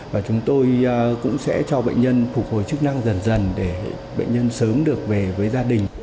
và chúng tôi cũng sẽ cho bệnh nhân phục hồi chức năng dần dần để bệnh nhân sớm được về với gia đình